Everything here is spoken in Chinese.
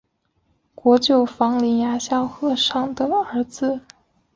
国舅房林牙萧和尚的儿子。